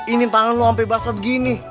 ini tangan lo sampai basah begini